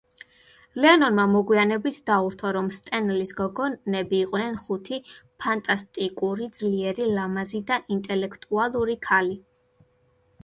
ლენონმა მოგვიანებით დაურთო, რომ „სტენლის გოგონები“ იყვნენ „ხუთი, ფანტასტიკური, ძლიერი, ლამაზი და ინტელექტუალური ქალი“.